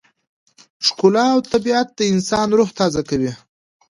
ښکلا او طبیعت د انسان روح تازه کوي.